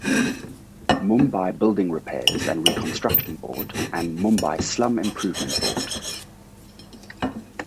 Mumbai Building Repairs and Reconstruction Board and Mumbai Slum Improvement Board.